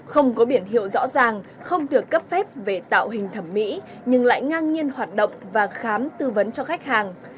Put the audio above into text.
không có biển hiệu rõ ràng không được cấp phép về tạo hình thẩm mỹ nhưng lại ngang nhiên hoạt động và khám tư vấn cho khách hàng